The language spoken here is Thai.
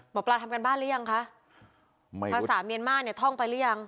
หมอปลาทำการบ้านหรือยังคะภาษาเมียนมาร์เนี่ยท่องไปหรือยัง